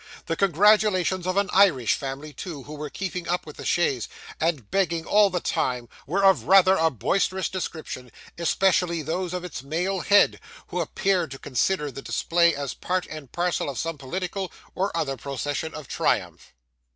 The congratulations of an Irish family, too, who were keeping up with the chaise, and begging all the time, were of rather a boisterous description, especially those of its male head, who appeared to consider the display as part and parcel of some political or other procession of triumph.